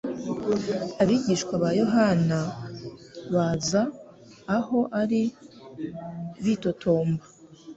Abigishwa ba Yohana baza aho ari bitotomba,